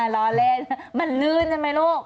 ล้อเล่นมันลื่นใช่ไหมลูก